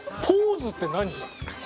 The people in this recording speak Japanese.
ポーズって何？